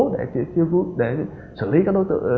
để xử lý các đối tượng